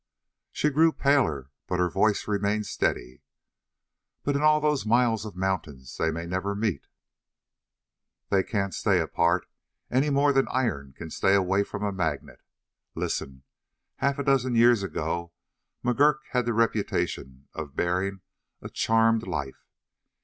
She grew paler, but her voice remained steady. "But in all those miles of mountains they may never meet?" "They can't stay apart any more than iron can stay away from a magnet. Listen: half a dozen years ago McGurk had the reputation of bearing a charmed life.